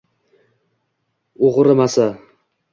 Og’rimasa —